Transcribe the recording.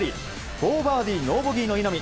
４バーディーノーボギーの稲見